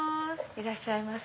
いらっしゃいませ。